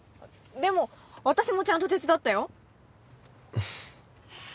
でも私もちゃんと手伝ったよ。